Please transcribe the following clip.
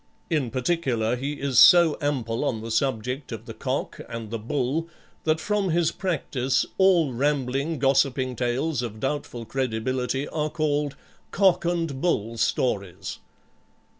In particular he is so ample on the subject of the cock and the bull that from his practice, all rambling, gossiping tales of doubtful credibility are called COCK AND BULL STORIES.